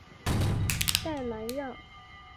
代兰让。